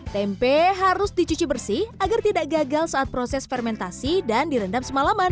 tempe harus dicuci bersih agar tidak gagal saat proses fermentasi dan direndam semalaman